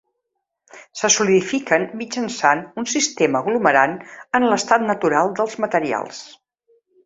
Se solidifiquen mitjançant un sistema aglomerant en l'estat natural dels materials.